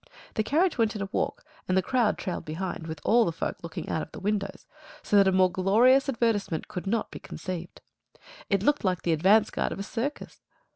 The carriage went at a walk, and the crowd trailed behind, with all the folk looking out of the windows, so that a more glorious advertisement could not be conceived. It looked like the advance guard of a circus.